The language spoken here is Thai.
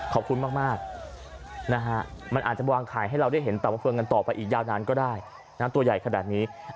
ขอบคุณมากมันอาจจะวางไข่ให้เราได้เห็นต่อมะเฟืองกันต่อไปอีกยาวนานก็ได้